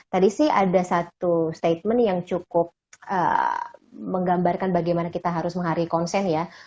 tadi sih ada satu statement yang cukup menggambarkan bagaimana kita harus menghari konsen ya